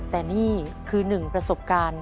แต่นี่คือหนึ่งประสบการณ์